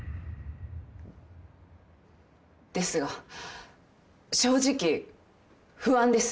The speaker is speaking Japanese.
ですが正直不安です。